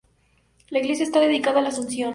La iglesia está dedicada a La Asunción.